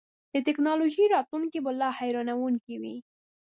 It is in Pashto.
د ټیکنالوژۍ راتلونکی به لا حیرانوونکی وي.